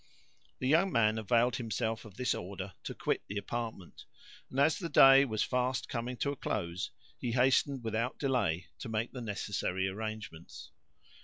The young man availed himself of this order to quit the apartment; and, as the day was fast coming to a close, he hastened without delay, to make the necessary arrangements.